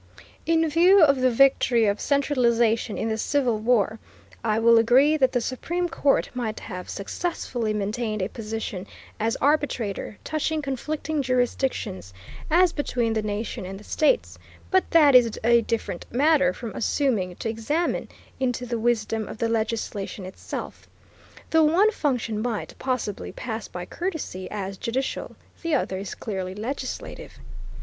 In view of the victory of centralization in the Civil War, I will agree that the Supreme Court might have successfully maintained a position as arbitrator touching conflicting jurisdictions, as between the nation and the states, but that is a different matter from assuming to examine into the wisdom of the legislation itself. The one function might, possibly, pass by courtesy as judicial; the other is clearly legislative.